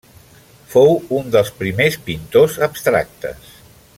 Fou un dels primers pintors abstractes.